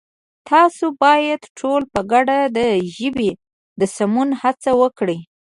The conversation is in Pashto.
تاسو بايد ټول په گډه د ژبې د سمون هڅه وکړئ!